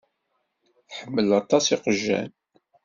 Tḥemmel aṭas iqjan.